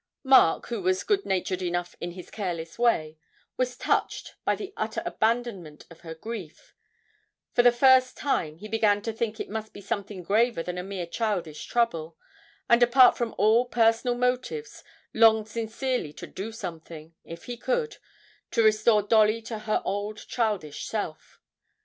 Mark, who was good natured enough in his careless way, was touched by the utter abandonment of her grief; for the first time he began to think it must be something graver than a mere childish trouble, and, apart from all personal motives, longed sincerely to do something, if he could, to restore Dolly to her old childish self.